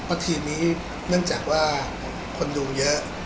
เพราะทีมนี้เนื่องจากว่าคนดูเยอะ